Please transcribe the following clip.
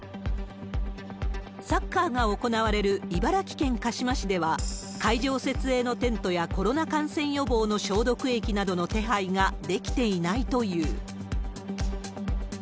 サッカーが行われる茨城県鹿嶋市では、会場設営のテントやコロナ感染予防の消毒液などの手配ができていないという。